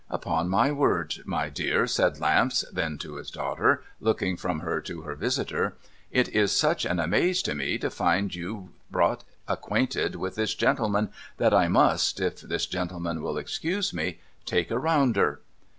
' Upon my word, my dear,' said Lamps then to his daughter, looking from her to her visitor, ' it is such an amaze to me, to find you brought acquainted with this gentleman, that I must (if this gentleman will excuse me) take a rounder.'